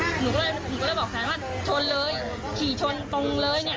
หนูก็เลยหนูก็เลยบอกแฟนว่าชนเลยขี่ชนตรงเลยเนี่ย